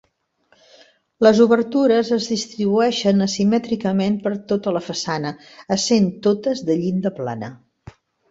Les obertures es distribueixen asimètricament per tota la façana, essent totes de llinda plana.